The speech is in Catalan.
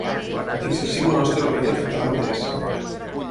Exercim el nostre paper de capdavanters.